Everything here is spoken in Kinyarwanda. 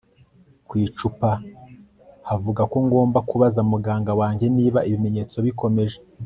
ku icupa havuga ko ngomba kubaza muganga wanjye niba ibimenyetso bikomeje